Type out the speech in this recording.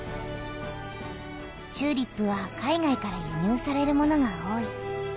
チューリップは海外からゆにゅうされるものが多い。